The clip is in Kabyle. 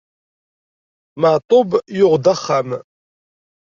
Maɛṭub yuɣ-d axxam.